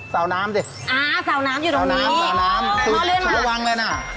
สาวน้ำสิอ๋อสาวน้ำอยู่ตรงนี้พ่อเลื่อนมาสาวน้ำสาวน้ำคือชุดระวังเลยนะ